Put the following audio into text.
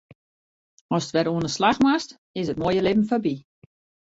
Ast wer oan 'e slach moatst, is it moaie libben foarby.